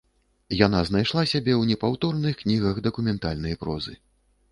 Яна знайшла сябе ў непаўторных кнігах дакументальнай прозы.